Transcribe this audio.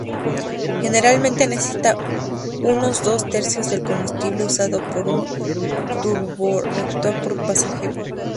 Generalmente necesita unos dos tercios del combustible usado por un turborreactor por pasajero.